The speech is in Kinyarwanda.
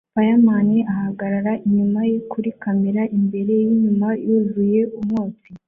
Fireman ahagarara inyuma ye kuri kamera imbere yinyuma yuzuye umwotsi